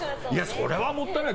それはもったいないよ。